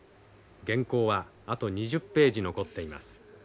原稿はあと２０ページ残っています。